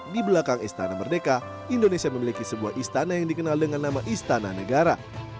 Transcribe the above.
di belakang istana merdeka indonesia memiliki sebuah istana yang dikenal dengan nama istana negara